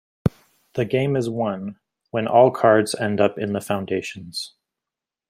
The game is won when all cards end up in the foundations.